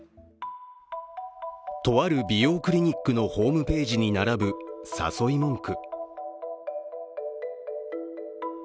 とある美容クリニックのホームページに並ぶ誘い文句。